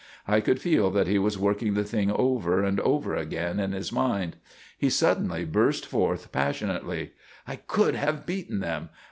I could feel that he was working the thing over and over again in his mind. He suddenly burst forth passionately: "I could have beaten them!